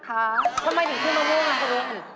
ทำไมถึงชื่อมาม่วงครับเว้น